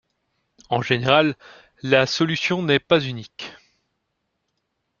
En général, la solution n'est pas unique.